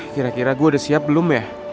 kira kira gue udah siap belum ya